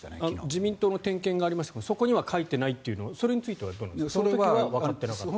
自民党の点検がありましたけどそこに書いていないというのはそれについてはどうなんですか。